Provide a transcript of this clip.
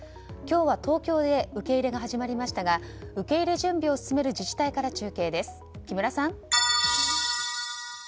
今日は東京で受け入れが始まりましたが受け入れ準備を進める自治体から中継です、木村さん。